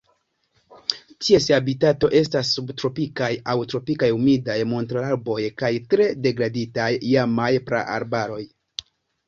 Ties habitato estas subtropikaj aŭ tropikaj humidaj montararbaroj kaj tre degraditaj iamaj praarbaroj.